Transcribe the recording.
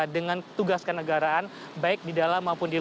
dengan tugas kenegaraan baik di dalam menjaga kepentingan